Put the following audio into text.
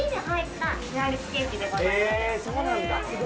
へえそうなんだ。